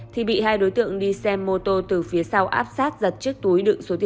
thì bị hai đối tượng đi xem mô tô từ phía sau áp sát giật chiếc túi